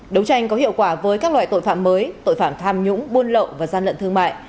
đấu tranh có hiệu quả với các loại tội phạm mới tội phạm tham nhũng buôn lậu và gian lận thương mại